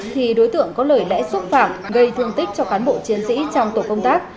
thì đối tượng có lời lẽ xúc phạm gây thương tích cho cán bộ chiến sĩ trong tổ công tác